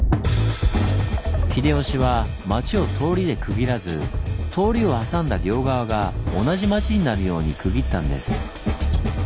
秀吉は町を通りで区切らず通りを挟んだ両側が同じ町になるように区切ったんです。